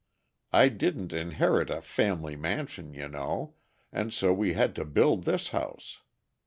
I didn't inherit a 'family mansion' you know, and so we had to build this house.